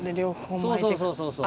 そうそうそうそうそう。